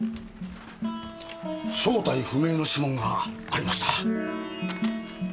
正体不明の指紋がありました。